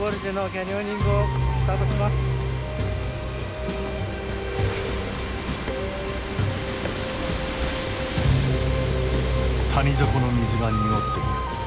はい谷底の水が濁っている。